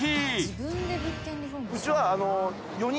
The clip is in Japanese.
うちは。